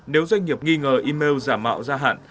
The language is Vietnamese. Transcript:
nếu doanh nghiệp nghi ngờ email giả mạo ra hạn